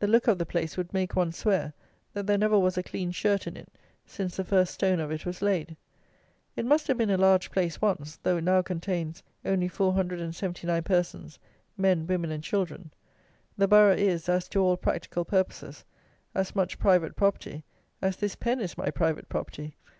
The look of the place would make one swear, that there never was a clean shirt in it, since the first stone of it was laid. It must have been a large place once, though it now contains only 479 persons, men, women, and children. The borough is, as to all practical purposes, as much private property as this pen is my private property.